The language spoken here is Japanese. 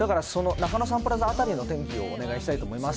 中野サンプラザ辺りの天気をお願いしたいと思います。